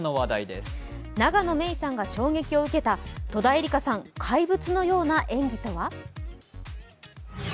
永野芽郁さんが衝撃を受けた戸田恵梨香さん、怪物のような演技とは？